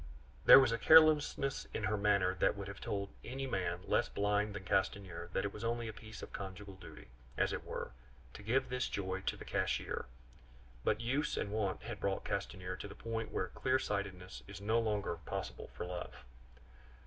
There was a carelessness in her manner that would have told any man less blind than Castanier that it was only a piece of conjugal duty, as it were, to give this joy to the cashier; but use and wont had brought Castanier to the point where clear sightedness is no longer possible for love.